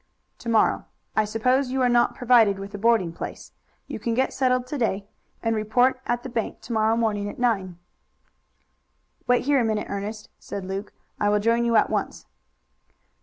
"To morrow. I suppose you are not provided with a boarding place. You can get settled to day and report at the bank to morrow morning at nine." "Wait here a minute, Ernest," said Luke. "I will join you at once."